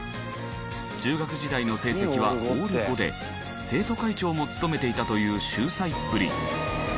中学時代の成績はオール５で生徒会長も務めていたという秀才っぷり。